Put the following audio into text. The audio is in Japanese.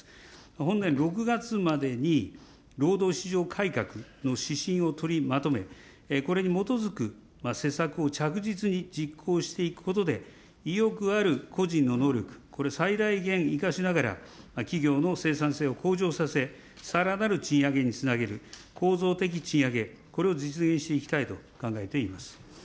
本年６月までに労働市場改革の指針を取りまとめ、これに基づく施策を着実に実行していくことで、意欲ある個人の能力、これ、最大限生かしながら、企業の生産性を向上させ、さらなる賃上げにつなげる、構造的賃上げ、これを実現していきたいと考えています。